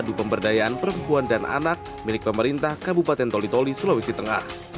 di pemberdayaan perempuan dan anak milik pemerintah kabupaten toli toli sulawesi tengah